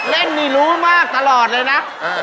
เล่นนี่รู้มากตลอดเลยนะ